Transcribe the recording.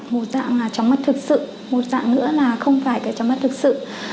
một dạng là chóng mặt thực sự một dạng nữa là không phải cái chóng mặt thực sự